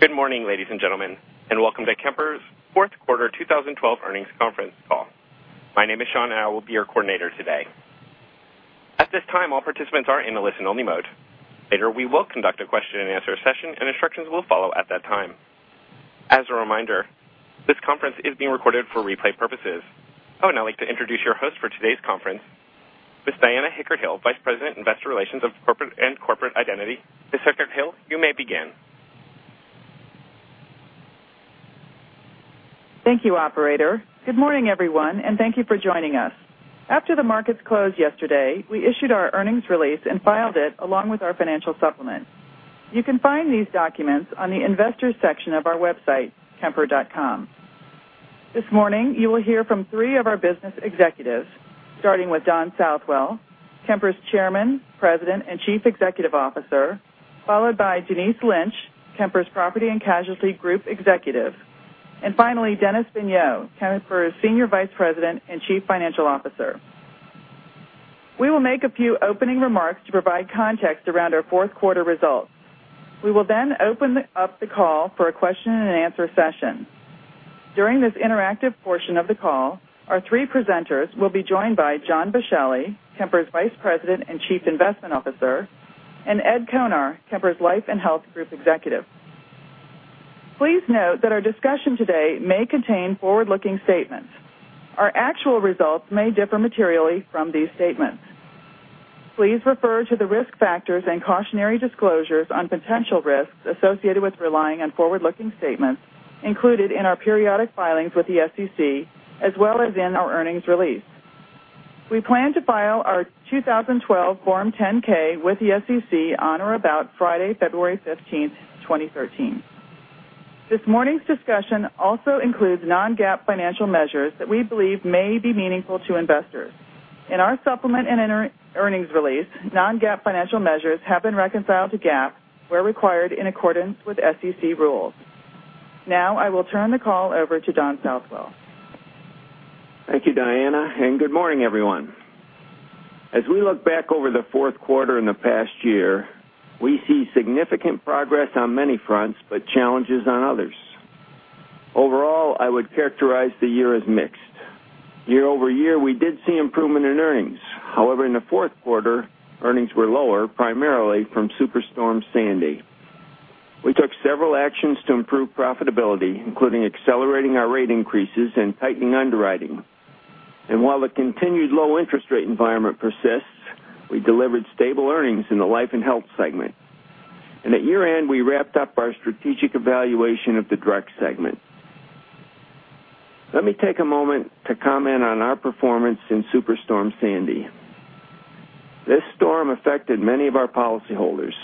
Good morning, ladies and gentlemen, and welcome to Kemper's fourth quarter 2012 earnings conference call. My name is Sean, and I will be your coordinator today. At this time, all participants are in a listen-only mode. Later, we will conduct a question-and-answer session, and instructions will follow at that time. As a reminder, this conference is being recorded for replay purposes. Now I'd like to introduce your host for today's conference, Ms. Diana Hickert-Hill, Vice President, Investor Relations and Corporate Identity. Ms. Hickert-Hill, you may begin. Thank you, operator. Good morning, everyone, and thank you for joining us. After the markets closed yesterday, we issued our earnings release and filed it along with our financial supplement. You can find these documents on the investors section of our website, kemper.com. This morning, you will hear from three of our business executives, starting with Don Southwell, Kemper's Chairman, President, and Chief Executive Officer, followed by Denise Lynch, Kemper's Property and Casualty Group Executive, and finally, Dennis Vigneau, Kemper's Senior Vice President and Chief Financial Officer. We will make a few opening remarks to provide context around our fourth quarter results. We will then open up the call for a question-and-answer session. During this interactive portion of the call, our three presenters will be joined by John Bisceglie, Kemper's Vice President and Chief Investment Officer, and Ed Konar, Kemper's Life and Health Group Executive. Please note that our discussion today may contain forward-looking statements. Our actual results may differ materially from these statements. Please refer to the risk factors and cautionary disclosures on potential risks associated with relying on forward-looking statements included in our periodic filings with the SEC, as well as in our earnings release. We plan to file our 2012 Form 10-K with the SEC on or about Friday, February 15th, 2013. This morning's discussion also includes non-GAAP financial measures that we believe may be meaningful to investors. In our supplement and earnings release, non-GAAP financial measures have been reconciled to GAAP where required in accordance with SEC rules. Now, I will turn the call over to Don Southwell. Thank you, Diana, and good morning, everyone. As we look back over the fourth quarter and the past year, we see significant progress on many fronts but challenges on others. Overall, I would characterize the year as mixed. Year-over-year, we did see improvement in earnings. However, in the fourth quarter, earnings were lower, primarily from Superstorm Sandy. We took several actions to improve profitability, including accelerating our rate increases and tightening underwriting. While the continued low interest rate environment persists, we delivered stable earnings in the Life & Health segment. At year-end, we wrapped up our strategic evaluation of the Direct segment. Let me take a moment to comment on our performance in Superstorm Sandy. This storm affected many of our policyholders.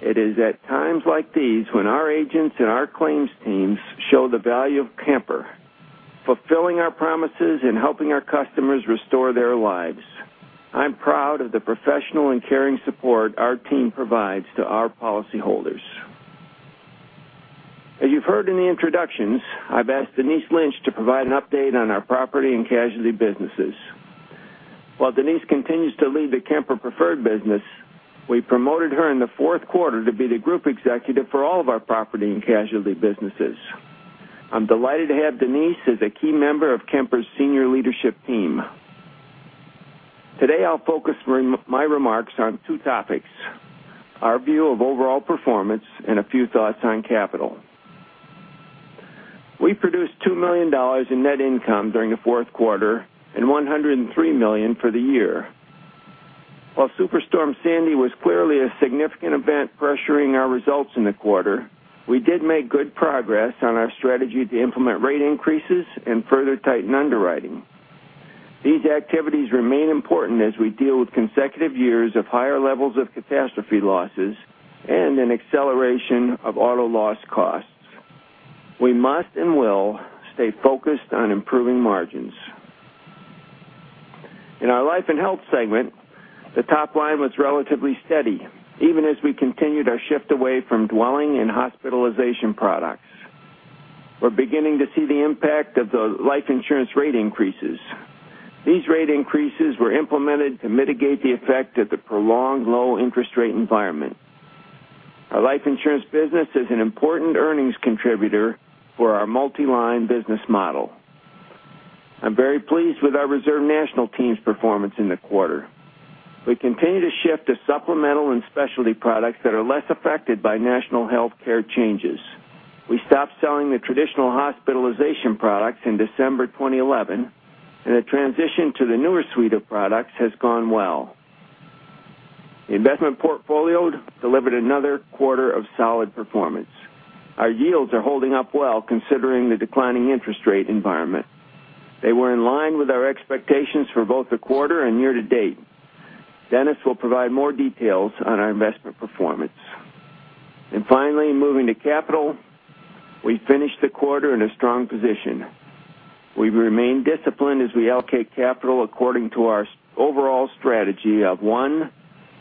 It is at times like these when our agents and our claims teams show the value of Kemper, fulfilling our promises and helping our customers restore their lives. I'm proud of the professional and caring support our team provides to our policyholders. As you've heard in the introductions, I've asked Denise Lynch to provide an update on our property and casualty businesses. While Denise continues to lead the Kemper Preferred business, we promoted her in the fourth quarter to be the group executive for all of our property and casualty businesses. I'm delighted to have Denise as a key member of Kemper's senior leadership team. Today, I'll focus my remarks on two topics, our view of overall performance and a few thoughts on capital. We produced $2 million in net income during the fourth quarter and $103 million for the year. While Superstorm Sandy was clearly a significant event pressuring our results in the quarter, we did make good progress on our strategy to implement rate increases and further tighten underwriting. These activities remain important as we deal with consecutive years of higher levels of catastrophe losses and an acceleration of auto loss costs. We must and will stay focused on improving margins. In our Life & Health segment, the top line was relatively steady, even as we continued our shift away from dwelling and hospitalization products. We're beginning to see the impact of the life insurance rate increases. These rate increases were implemented to mitigate the effect of the prolonged low interest rate environment. Our life insurance business is an important earnings contributor for our multi-line business model. I'm very pleased with our Reserve National team's performance in the quarter. We continue to shift to supplemental and specialty products that are less affected by national healthcare changes. We stopped selling the traditional hospitalization products in December 2011, and the transition to the newer suite of products has gone well. The investment portfolio delivered another quarter of solid performance. Our yields are holding up well considering the declining interest rate environment. They were in line with our expectations for both the quarter and year to date. Dennis will provide more details on our investment performance. Finally, moving to capital, we finished the quarter in a strong position. We remain disciplined as we allocate capital according to our overall strategy of, 1,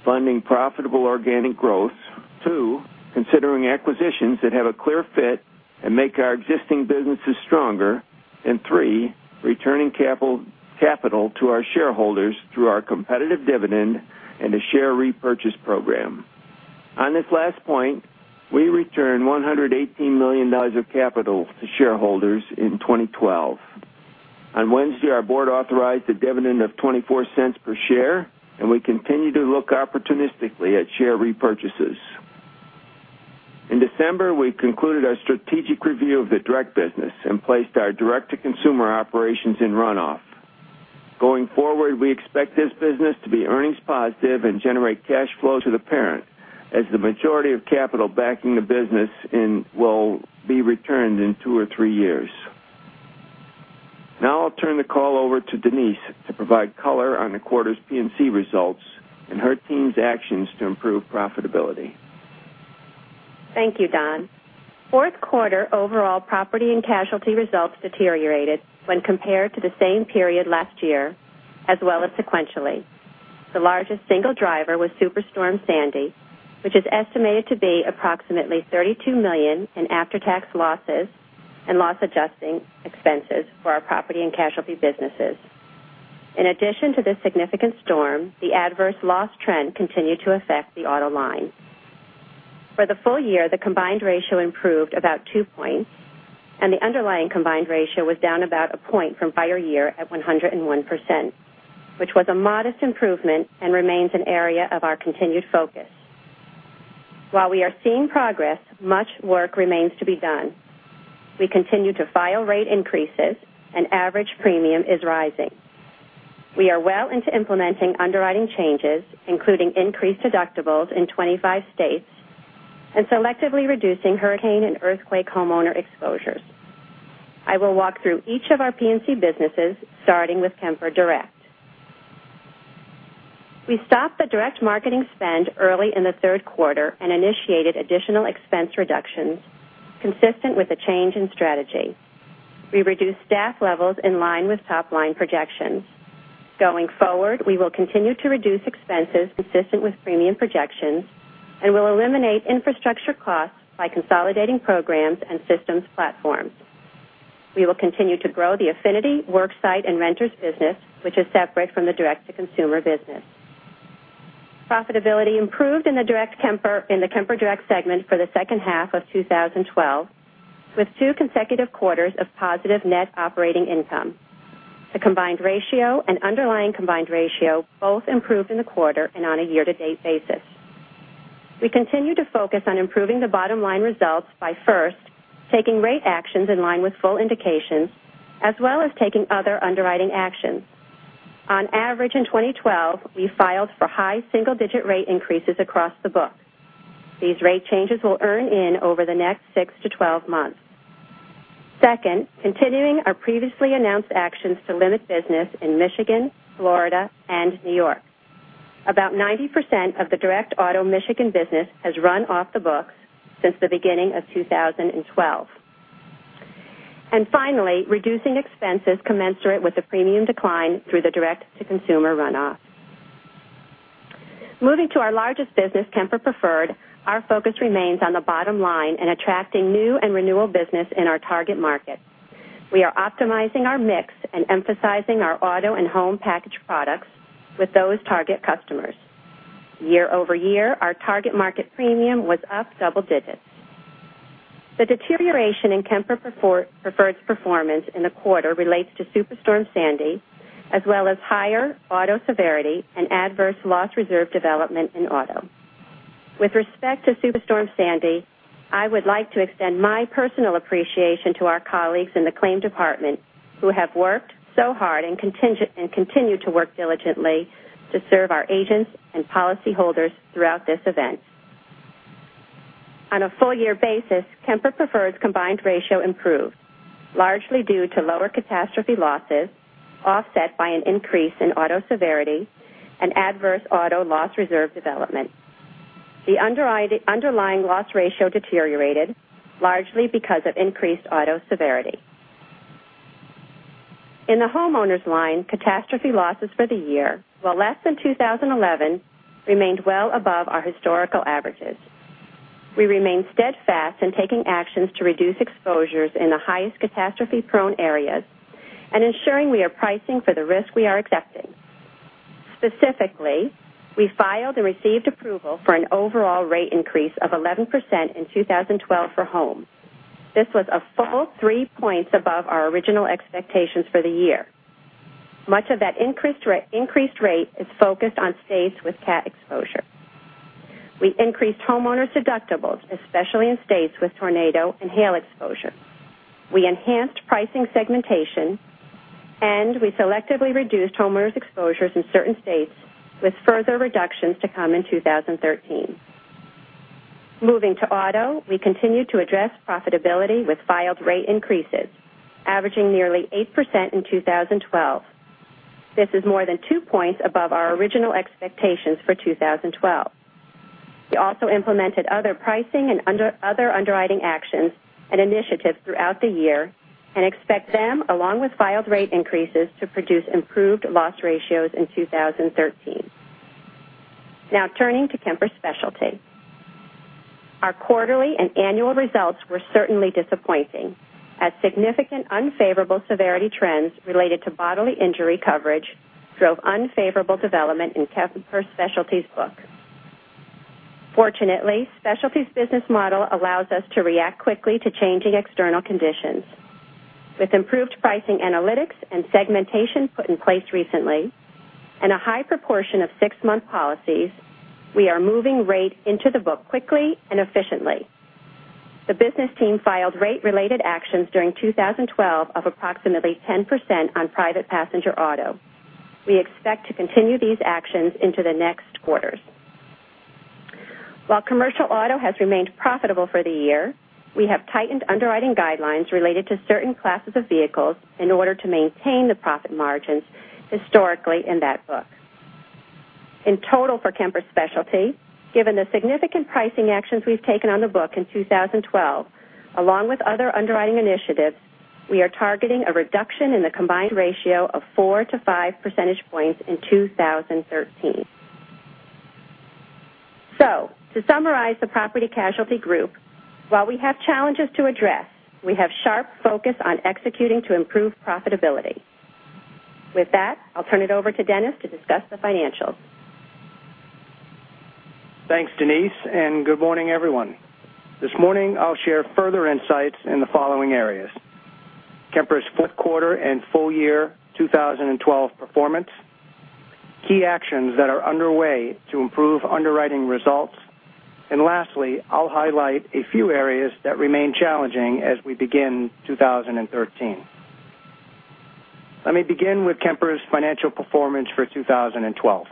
funding profitable organic growth, 2, considering acquisitions that have a clear fit and make our existing businesses stronger, 3, returning capital to our shareholders through our competitive dividend and a share repurchase program. On this last point, we returned $118 million of capital to shareholders in 2012. On Wednesday, our board authorized a dividend of $0.24 per share, and we continue to look opportunistically at share repurchases. In December, we concluded our strategic review of the direct business and placed our direct-to-consumer operations in runoff. Going forward, we expect this business to be earnings positive and generate cash flow to the parent as the majority of capital backing the business will be returned in two or three years. I'll turn the call over to Denise to provide color on the quarter's P&C results and her team's actions to improve profitability. Thank you, Don. Fourth quarter overall Property and Casualty results deteriorated when compared to the same period last year, as well as sequentially. The largest single driver was Superstorm Sandy, which is estimated to be approximately $32 million in after-tax losses and loss adjusting expenses for our Property and Casualty businesses. In addition to this significant storm, the adverse loss trend continued to affect the auto line. For the full year, the combined ratio improved about 2 points, the underlying combined ratio was down about 1 point from prior year at 101%, which was a modest improvement and remains an area of our continued focus. While we are seeing progress, much work remains to be done. We continue to file rate increases, average premium is rising. We are well into implementing underwriting changes, including increased deductibles in 25 states and selectively reducing hurricane and earthquake homeowner exposures. I will walk through each of our P&C businesses, starting with Kemper Direct. We stopped the direct marketing spend early in the third quarter and initiated additional expense reductions consistent with the change in strategy. We reduced staff levels in line with top-line projections. Going forward, we will continue to reduce expenses consistent with premium projections and will eliminate infrastructure costs by consolidating programs and systems platforms. We will continue to grow the affinity, worksite, and renters business, which is separate from the direct-to-consumer business. Profitability improved in the Kemper Direct segment for the second half of 2012, with 2 consecutive quarters of positive net operating income. The combined ratio and underlying combined ratio both improved in the quarter and on a year-to-date basis. We continue to focus on improving the bottom-line results by first taking rate actions in line with full indications as well as taking other underwriting actions. On average in 2012, we filed for high single-digit rate increases across the book. These rate changes will earn in over the next 6 to 12 months. Second, continuing our previously announced actions to limit business in Michigan, Florida, and New York. About 90% of the direct auto Michigan business has run off the books since the beginning of 2012. Finally, reducing expenses commensurate with the premium decline through the direct-to-consumer runoff. Moving to our largest business, Kemper Preferred, our focus remains on the bottom line and attracting new and renewal business in our target market. We are optimizing our mix and emphasizing our auto and home package products with those target customers. Year-over-year, our target market premium was up double digits. The deterioration in Kemper Preferred's performance in the quarter relates to Superstorm Sandy, as well as higher auto severity and adverse loss reserve development in auto. With respect to Superstorm Sandy, I would like to extend my personal appreciation to our colleagues in the claim department who have worked so hard and continue to work diligently to serve our agents and policyholders throughout this event. On a full-year basis, Kemper Preferred's combined ratio improved, largely due to lower catastrophe losses offset by an increase in auto severity and adverse auto loss reserve development. The underlying loss ratio deteriorated largely because of increased auto severity. In the homeowners line, catastrophe losses for the year, while less than 2011, remained well above our historical averages. We remain steadfast in taking actions to reduce exposures in the highest catastrophe-prone areas and ensuring we are pricing for the risk we are accepting. Specifically, we filed and received approval for an overall rate increase of 11% in 2012 for home. This was a full three points above our original expectations for the year. Much of that increased rate is focused on states with cat exposure. We increased homeowners' deductibles, especially in states with tornado and hail exposure. We enhanced pricing segmentation, we selectively reduced homeowners' exposures in certain states, with further reductions to come in 2013. Moving to auto, we continued to address profitability with filed rate increases, averaging nearly 8% in 2012. This is more than two points above our original expectations for 2012. We also implemented other pricing and other underwriting actions and initiatives throughout the year and expect them, along with filed rate increases, to produce improved loss ratios in 2013. Turning to Kemper Specialty. Our quarterly and annual results were certainly disappointing as significant unfavorable severity trends related to bodily injury coverage drove unfavorable development in Kemper Specialty's book. Fortunately, Specialty's business model allows us to react quickly to changing external conditions. With improved pricing analytics and segmentation put in place recently, a high proportion of six-month policies, we are moving rate into the book quickly and efficiently. The business team filed rate-related actions during 2012 of approximately 10% on private passenger auto. We expect to continue these actions into the next quarters. While commercial auto has remained profitable for the year, we have tightened underwriting guidelines related to certain classes of vehicles in order to maintain the profit margins historically in that book. In total for Kemper Specialty, given the significant pricing actions we've taken on the book in 2012, along with other underwriting initiatives, we are targeting a reduction in the combined ratio of 4-5 percentage points in 2013. To summarize the property casualty group, while we have challenges to address, we have sharp focus on executing to improve profitability. With that, I'll turn it over to Dennis to discuss the financials. Thanks, Denise, good morning, everyone. This morning I'll share further insights in the following areas: Kemper's fourth quarter and full year 2012 performance, key actions that are underway to improve underwriting results, and lastly, I'll highlight a few areas that remain challenging as we begin 2013. Let me begin with Kemper's financial performance for 2012.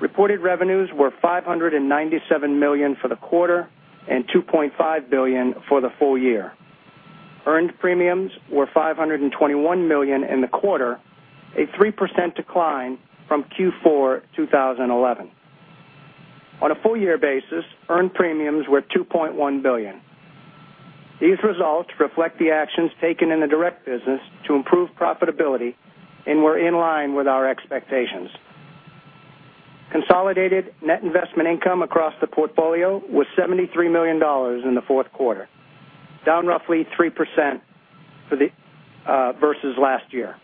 Reported revenues were $597 million for the quarter and $2.5 billion for the full year. Earned premiums were $521 million in the quarter, a 3% decline from Q4 2011. On a full year basis, earned premiums were $2.1 billion. These results reflect the actions taken in the direct business to improve profitability and were in line with our expectations. Consolidated net investment income across the portfolio was $73 million in the fourth quarter, down roughly 3% versus last year.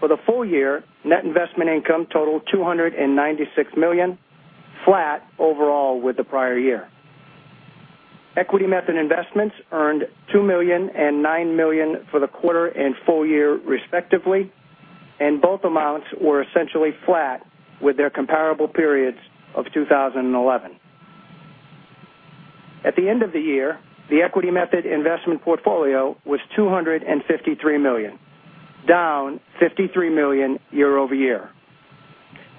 For the full year, net investment income totaled $296 million, flat overall with the prior year. Equity method investments earned $2 million and $9 million for the quarter and full year respectively, and both amounts were essentially flat with their comparable periods of 2011. At the end of the year, the equity method investment portfolio was $253 million, down $53 million year-over-year.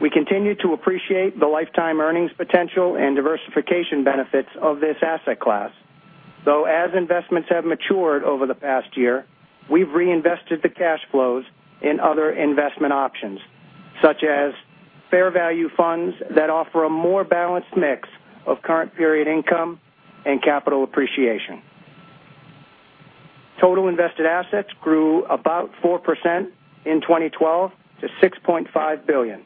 We continue to appreciate the lifetime earnings potential and diversification benefits of this asset class. Though as investments have matured over the past year, we've reinvested the cash flows in other investment options, such as fair value funds that offer a more balanced mix of current period income and capital appreciation. Total invested assets grew about 4% in 2012 to $6.5 billion.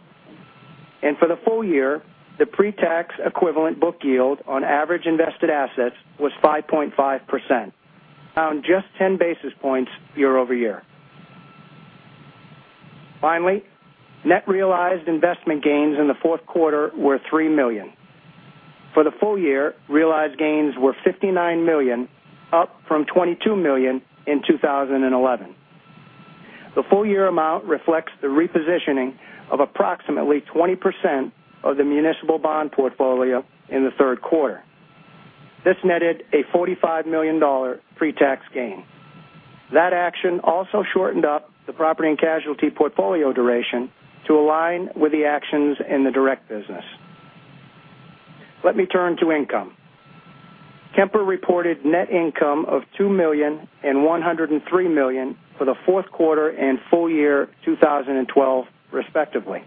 For the full year, the pre-tax equivalent book yield on average invested assets was 5.5%, down just 10 basis points year-over-year. Finally, net realized investment gains in the fourth quarter were $3 million. For the full year, realized gains were $59 million, up from $22 million in 2011. The full-year amount reflects the repositioning of approximately 20% of the municipal bond portfolio in the third quarter. This netted a $45 million pre-tax gain. That action also shortened up the property and casualty portfolio duration to align with the actions in the direct business. Let me turn to income. Kemper reported net income of $2 million and $103 million for the fourth quarter and full year 2012, respectively.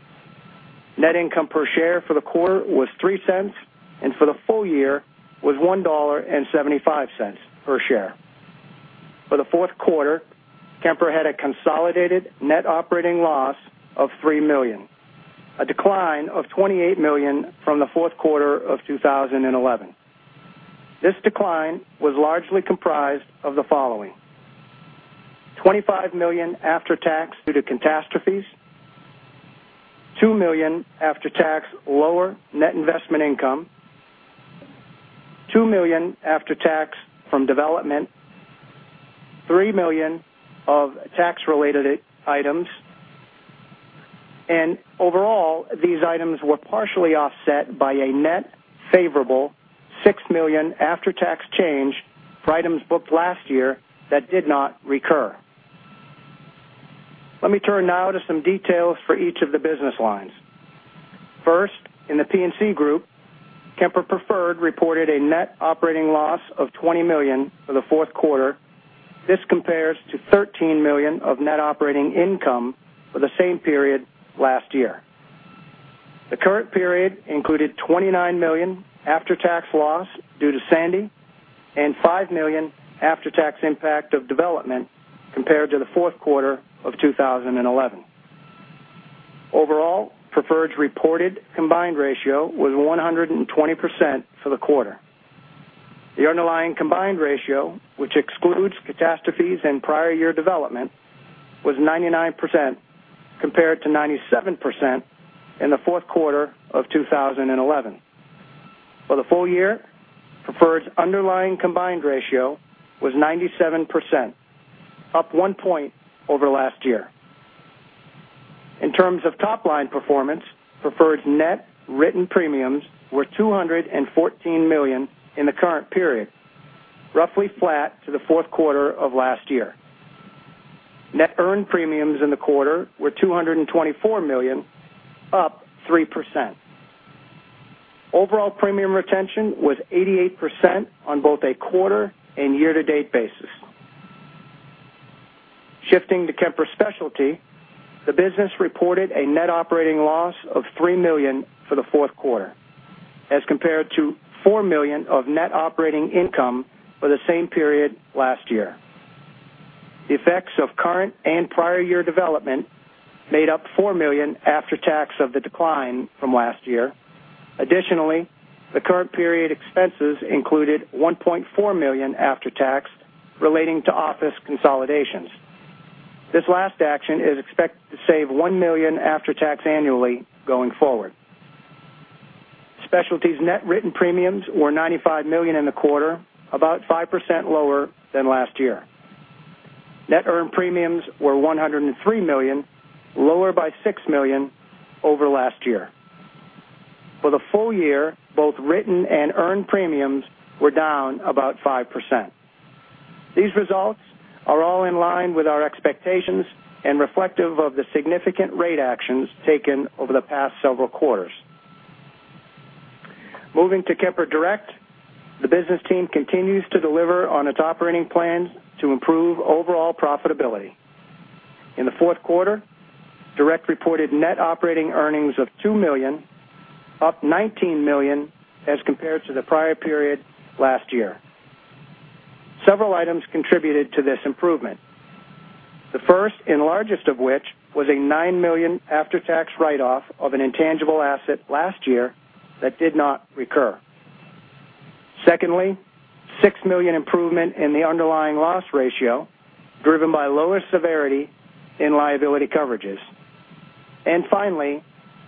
Net income per share for the quarter was $0.03, and for the full year was $1.75 per share. For the fourth quarter, Kemper had a consolidated net operating loss of $3 million, a decline of $28 million from the fourth quarter of 2011. This decline was largely comprised of the following: $25 million after tax due to catastrophes, $2 million after-tax lower net investment income, $2 million after tax from development, $3 million of tax-related items. Overall, these items were partially offset by a net favorable $6 million after-tax change for items booked last year that did not recur. Let me turn now to some details for each of the business lines. First, in the P&C group, Kemper Preferred reported a net operating loss of $20 million for the fourth quarter. This compares to $13 million of net operating income for the same period last year. The current period included $29 million after-tax loss due to Sandy. $5 million after-tax impact of development compared to the fourth quarter of 2011. Overall, Preferred's reported combined ratio was 120% for the quarter. The underlying combined ratio, which excludes catastrophes and prior year development, was 99%, compared to 97% in the fourth quarter of 2011. For the full year, Preferred's underlying combined ratio was 97%, up one point over last year. In terms of top-line performance, Preferred's net written premiums were $214 million in the current period, roughly flat to the fourth quarter of last year. Net earned premiums in the quarter were $224 million, up 3%. Overall premium retention was 88% on both a quarter and year-to-date basis. Shifting to Kemper Specialty, the business reported a net operating loss of $3 million for the fourth quarter, as compared to $4 million of net operating income for the same period last year. The effects of current and prior year development made up $4 million after tax of the decline from last year. Additionally, the current period expenses included $1.4 million after tax relating to office consolidations. This last action is expected to save $1 million after tax annually going forward. Specialty's net written premiums were $95 million in the quarter, about 5% lower than last year. Net earned premiums were $103 million, lower by $6 million over last year. For the full year, both written and earned premiums were down about 5%. These results are all in line with our expectations and reflective of the significant rate actions taken over the past several quarters. Moving to Kemper Direct, the business team continues to deliver on its operating plans to improve overall profitability. In the fourth quarter, Direct reported net operating earnings of $2 million, up $19 million as compared to the prior period last year. Several items contributed to this improvement. The first and largest of which was a $9 million after-tax write-off of an intangible asset last year that did not recur. Secondly, $6 million improvement in the underlying loss ratio, driven by lower severity in liability coverages. Finally,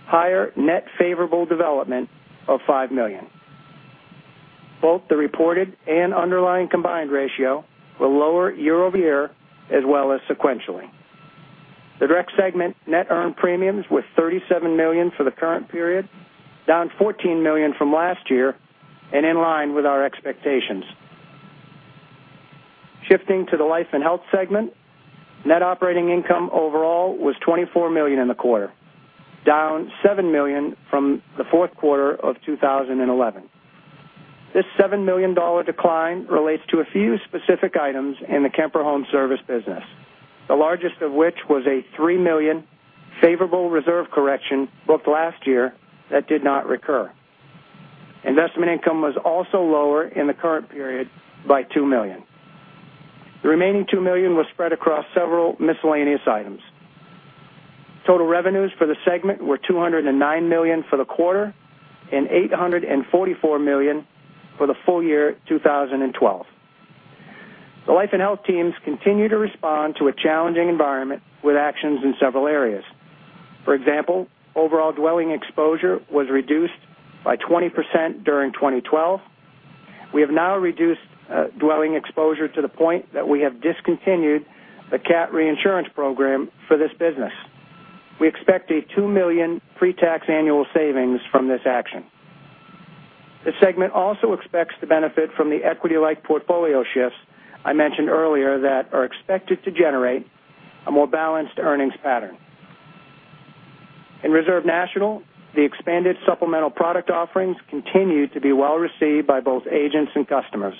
higher net favorable development of $5 million. Both the reported and underlying combined ratio were lower year-over-year as well as sequentially. The Direct segment net earned premiums were $37 million for the current period, down $14 million from last year and in line with our expectations. Shifting to the Life & Health segment, net operating income overall was $24 million in the quarter, down $7 million from the fourth quarter of 2011. This $7 million decline relates to a few specific items in the Kemper Home Service business, the largest of which was a $3 million favorable reserve correction booked last year that did not recur. Investment income was also lower in the current period by $2 million. The remaining $2 million was spread across several miscellaneous items. Total revenues for the segment were $209 million for the quarter and $844 million for the full year 2012. The Life & Health teams continue to respond to a challenging environment with actions in several areas. For example, overall dwelling exposure was reduced by 20% during 2012. We have now reduced dwelling exposure to the point that we have discontinued the catastrophe reinsurance program for this business. We expect a $2 million pre-tax annual savings from this action. This segment also expects to benefit from the equity-like portfolio shifts I mentioned earlier that are expected to generate a more balanced earnings pattern. In Reserve National, the expanded supplemental product offerings continue to be well received by both agents and customers.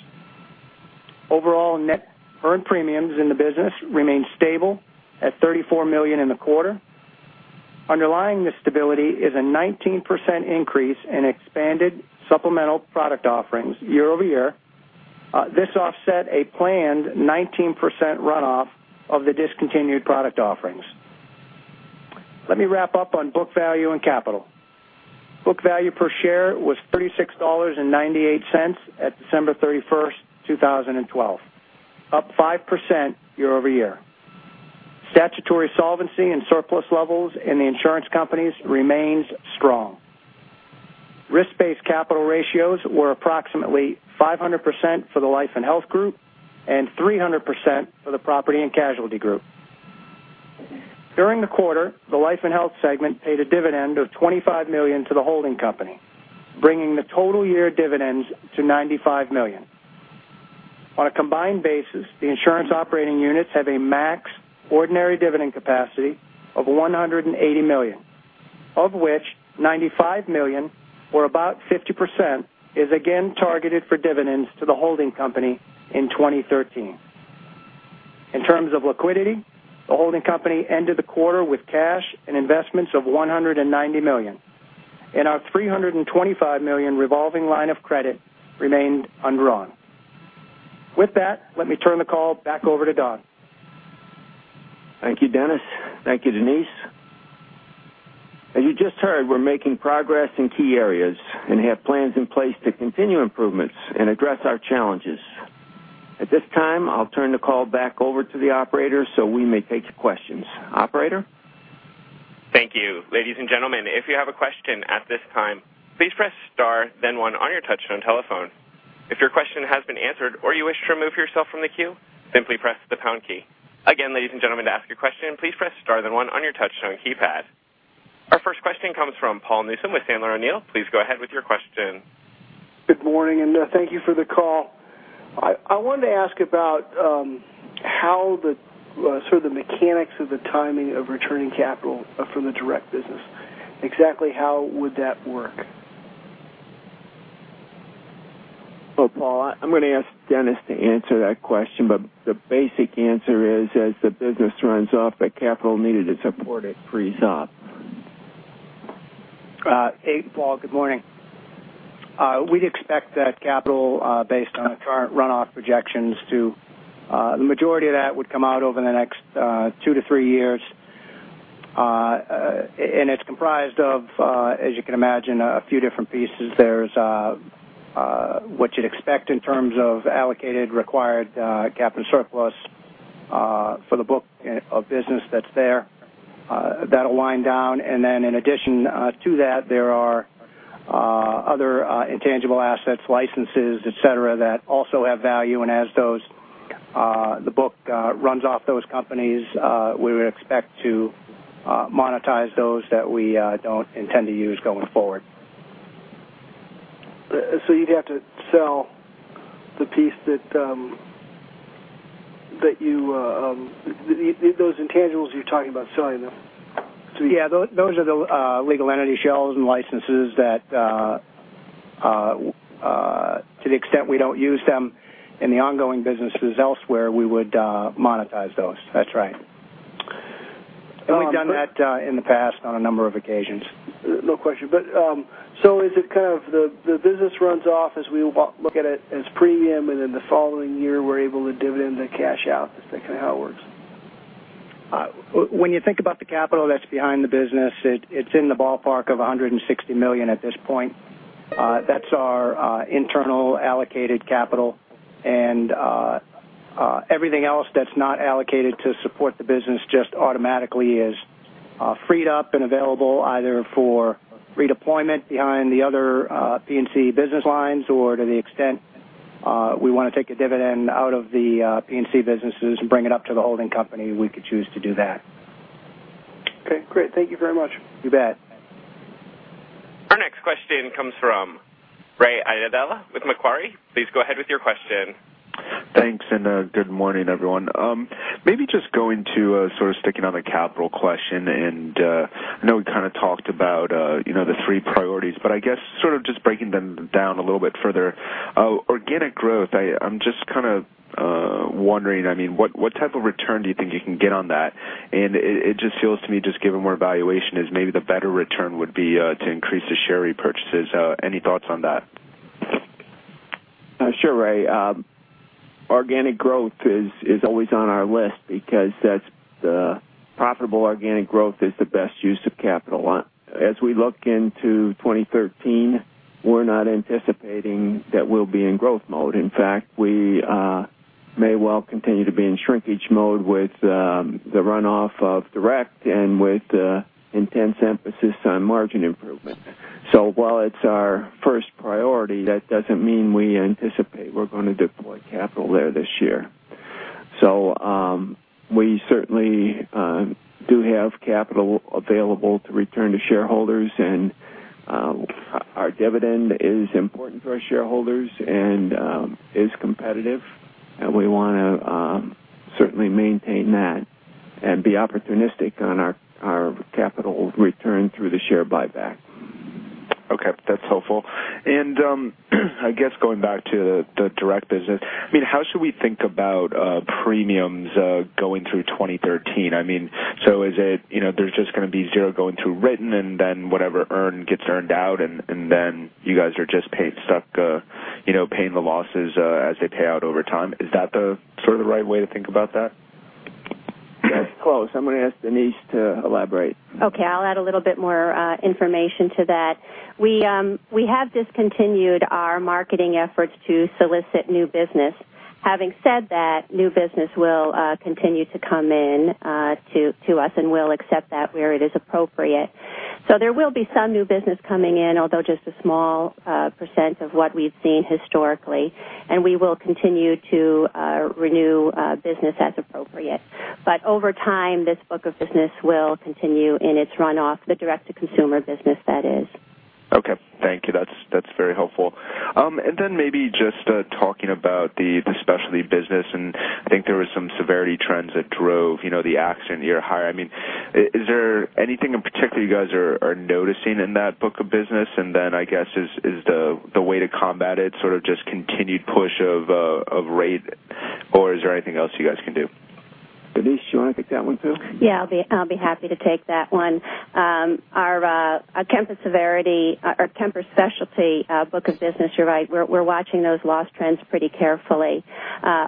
Overall net earned premiums in the business remain stable at $34 million in the quarter. Underlying this stability is a 19% increase in expanded supplemental product offerings year-over-year. This offset a planned 19% runoff of the discontinued product offerings. Let me wrap up on book value and capital. Book value per share was $36.98 at December 31st, 2012, up 5% year-over-year. Statutory solvency and surplus levels in the insurance companies remains strong. Risk-based capital ratios were approximately 500% for the Life & Health group and 300% for the Property & Casualty group. During the quarter, the Life & Health segment paid a dividend of $25 million to the holding company, bringing the total year dividends to $95 million. On a combined basis, the insurance operating units have a max ordinary dividend capacity of $180 million, of which $95 million, or about 50%, is again targeted for dividends to the holding company in 2013. In terms of liquidity, the holding company ended the quarter with cash and investments of $190 million. Our $325 million revolving line of credit remained undrawn. With that, let me turn the call back over to Don. Thank you, Dennis. Thank you, Denise. As you just heard, we're making progress in key areas and have plans in place to continue improvements and address our challenges. At this time, I'll turn the call back over to the operator so we may take questions. Operator? Thank you. Ladies and gentlemen, if you have a question at this time, please press star then one on your touch-tone telephone. If your question has been answered or you wish to remove yourself from the queue, simply press the pound key. Again, ladies and gentlemen, to ask your question, please press star then one on your touch-tone keypad. Our first question comes from Paul Newsome with Sandler O'Neill. Please go ahead with your question. Good morning. Thank you for the call. I wanted to ask about sort of the mechanics of the timing of returning capital from the direct business. Exactly how would that work? Well, Paul, I'm going to ask Dennis to answer that question. The basic answer is as the business runs off, the capital needed to support it frees up. Hey, Paul, good morning. We'd expect that capital based on current runoff projections to the majority of that would come out over the next two to three years. It's comprised of, as you can imagine, a few different pieces. There's what you'd expect in terms of allocated required capital surplus for the book of business that's there. That'll wind down. In addition to that, there are other intangible assets, licenses, et cetera, that also have value, and as the book runs off those companies, we would expect to monetize those that we don't intend to use going forward. You'd have to sell the piece that those intangibles you're talking about selling them to- Yeah, those are the legal entity shells and licenses that to the extent we don't use them in the ongoing businesses elsewhere, we would monetize those. That's right. We've done that in the past on a number of occasions. No question. Is it kind of the business runs off as we look at it as premium, and then the following year, we're able to dividend the cash out? Is that kind of how it works? When you think about the capital that's behind the business, it's in the ballpark of $160 million at this point. That's our internal allocated capital, and everything else that's not allocated to support the business just automatically is freed up and available either for redeployment behind the other P&C business lines or to the extent we want to take a dividend out of the P&C businesses and bring it up to the holding company. We could choose to do that. Okay, great. Thank you very much. You bet. Our next question comes from Ray Iardella with Macquarie. Please go ahead with your question. Thanks. Good morning, everyone. Maybe just going to sort of sticking on the capital question, I know we kind of talked about the three priorities, but I guess sort of just breaking them down a little bit further. Organic growth, I'm just kind of wondering, what type of return do you think you can get on that? And it just feels to me, just given where valuation is, maybe the better return would be to increase the share repurchases. Any thoughts on that? Sure, Ray. Organic growth is always on our list because profitable organic growth is the best use of capital. As we look into 2013, we're not anticipating that we'll be in growth mode. In fact, we may well continue to be in shrinkage mode with the runoff of direct and with intense emphasis on margin improvement. While it's our first priority, that doesn't mean we anticipate we're going to deploy capital there this year. We certainly do have capital available to return to shareholders, and our dividend is important for our shareholders and is competitive, and we want to certainly maintain that and be opportunistic on our capital return through the share buyback. Okay. That's helpful. I guess going back to the direct business, how should we think about premiums going through 2013? There's just going to be zero going through written and then whatever earned gets earned out, and then you guys are just stuck paying the losses as they pay out over time. Is that the sort of right way to think about that? That's close. I'm going to ask Denise to elaborate. Okay, I'll add a little bit more information to that. We have discontinued our marketing efforts to solicit new business. Having said that, new business will continue to come in to us, and we'll accept that where it is appropriate. There will be some new business coming in, although just a small % of what we've seen historically, and we will continue to renew business as appropriate. Over time, this book of business will continue in its runoff, the direct-to-consumer business, that is. Okay. Thank you. That's very helpful. Maybe just talking about the Specialty business, I think there was some severity trends that drove the action year higher. Is there anything in particular you guys are noticing in that book of business? I guess, is the way to combat it sort of just continued push of rate or is there anything else you guys can do? Denise, do you want to take that one too? Yeah, I'll be happy to take that one. Our Kemper Specialty book of business, you're right. We're watching those loss trends pretty carefully.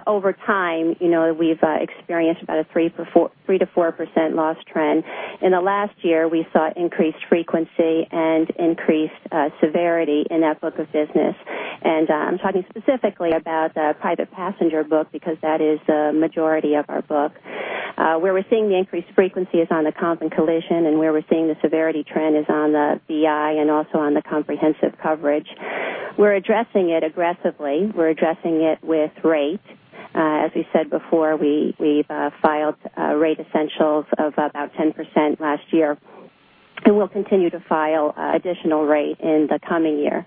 Over time, we've experienced about a 3%-4% loss trend. In the last year, we saw increased frequency and increased severity in that book of business. I'm talking specifically about the private passenger book because that is the majority of our book. Where we're seeing the increased frequency is on the comp and collision, and where we're seeing the severity trend is on the BI and also on the comprehensive coverage. We're addressing it aggressively. We're addressing it with rate. We said before, we've filed rate essentials of about 10% last year, and we'll continue to file additional rate in the coming year.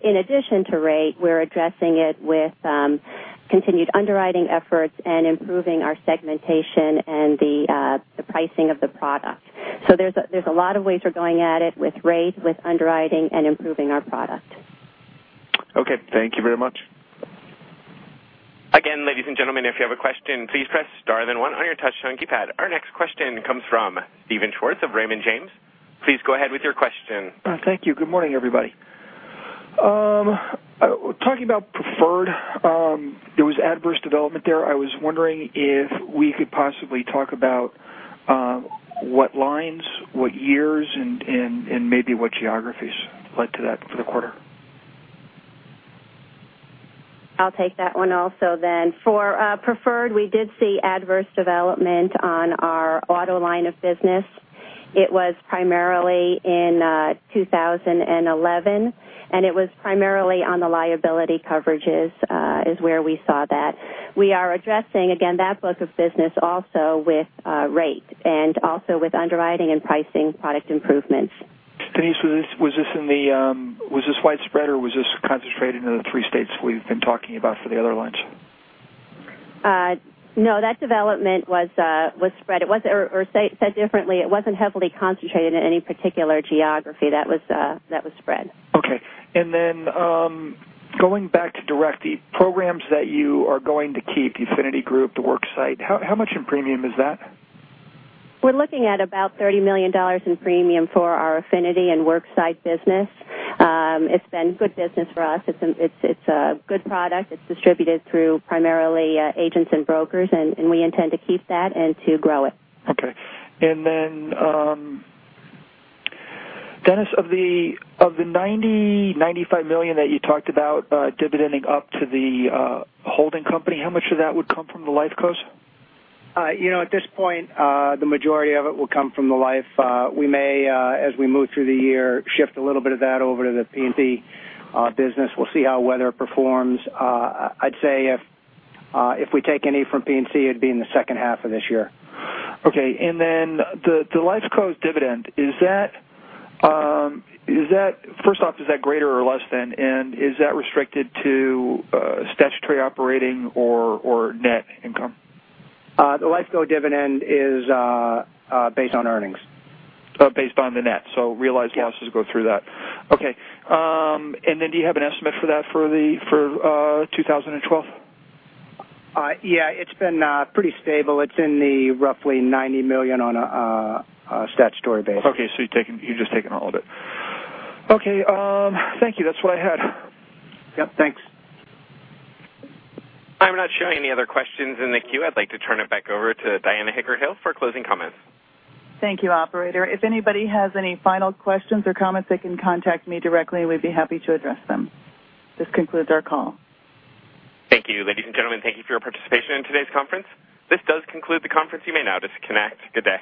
In addition to rate, we're addressing it with continued underwriting efforts and improving our segmentation and the pricing of the product. There's a lot of ways we're going at it with rate, with underwriting, and improving our product. Okay. Thank you very much. Again, ladies and gentlemen, if you have a question, please press star then one on your touchtone keypad. Our next question comes from Steven Schwartz of Raymond James. Please go ahead with your question. Thank you. Good morning, everybody. Talking about Preferred, there was adverse development there. I was wondering if we could possibly talk about what lines, what years, and maybe what geographies led to that for the quarter. I'll take that one also. For preferred, we did see adverse development on our auto line of business. It was primarily in 2011. It was primarily on the liability coverages is where we saw that. We are addressing, again, that book of business also with rate and also with underwriting and pricing product improvements. Denise, was this widespread, or was this concentrated in the three states we've been talking about for the other lines? No, that development was spread. Said differently, it wasn't heavily concentrated in any particular geography. That was spread. Okay. Going back to Direct, the programs that you are going to keep, the affinity group, the worksite, how much in premium is that? We're looking at about $30 million in premium for our affinity and worksite business. It's been good business for us. It's a good product. It's distributed through primarily agents and brokers, and we intend to keep that and to grow it. Okay. Dennis, of the $90 million, $95 million that you talked about dividending up to the holding company, how much of that would come from the life co? At this point, the majority of it will come from the life. We may, as we move through the year, shift a little bit of that over to the P&C business. We'll see how weather performs. I'd say if we take any from P&C, it'd be in the second half of this year. Okay. The life co's dividend, first off, is that greater or less than, and is that restricted to statutory operating or net income? The life co dividend is based on earnings. Based on the net. Yes losses go through that. Okay. Do you have an estimate for that for 2012? Yeah. It's been pretty stable. It's in the roughly $90 million on a statutory basis. Okay, you've just taken all of it. Okay. Thank you. That's what I had. Yep, thanks. I'm not showing any other questions in the queue. I'd like to turn it back over to Diana Hickert-Hill for closing comments. Thank you, operator. If anybody has any final questions or comments, they can contact me directly. We'd be happy to address them. This concludes our call. Thank you. Ladies and gentlemen, thank you for your participation in today's conference. This does conclude the conference. You may now disconnect. Good day.